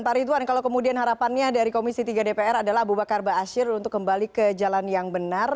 pak ridwan kalau kemudian harapannya dari komisi tiga dpr adalah abu bakar ⁇ asyir ⁇ untuk kembali ke jalan yang benar